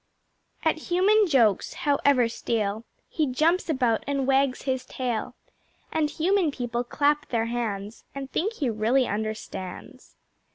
At Human jokes, however stale, He jumps about and wags his tail, And Human People clap their hands And think he really understands.